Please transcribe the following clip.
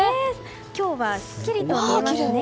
今日ははっきりと見えますね。